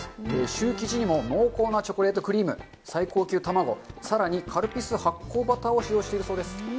シュー生地にも濃厚なチョコレートクリーム、最高級卵、さらにカルピス発酵バターを使用しているそうです。